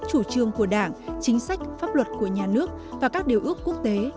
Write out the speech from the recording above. chủ trương của đảng chính sách pháp luật của nhà nước và các điều ước quốc tế